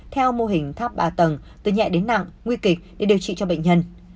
theo mô hình tháp ba tầng từ nhẹ đến nặng nguy kịch để điều trị cho bệnh nhân